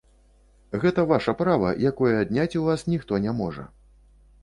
Гэта ваша права, якое адняць у вас ніхто не можа.